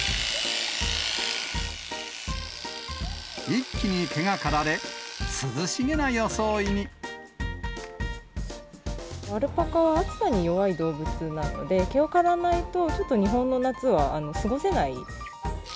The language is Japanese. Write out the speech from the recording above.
一気に毛が刈られ、涼しげな装いアルパカは暑さに弱い動物なので、毛を刈らないと、ちょっと、日本の夏は過ごせない。